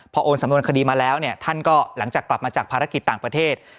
พอโอนสำนวนคดีมาแล้วเนี่ยท่านก็หลังจากกลับมาจากภารกิจต่างประเทศ